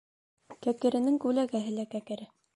Кәкеренең күләгәһе лә кәкере.